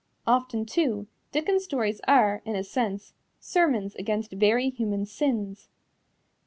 Often, too, Dickens's stories are, in a sense, sermons against very human sins.